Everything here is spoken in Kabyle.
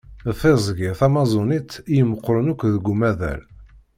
D tiẓgi Tamaẓunit i imeqqren akk deg umaḍal.